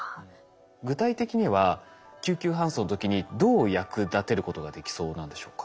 具体的には救急搬送の時にどう役立てることができそうなんでしょうか？